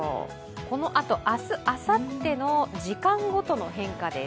このあと、明日あさっての時間ごとに変化です。